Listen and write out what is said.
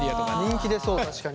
人気出そう確かに。